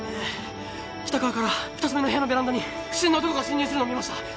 北側から２つ目の部屋のベランダに不審な男が侵入するのを見ました